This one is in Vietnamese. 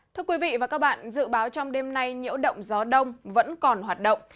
thưa quý vị và các bạn dự báo trong đêm nay nhiễu động gió đông vẫn còn hoạt động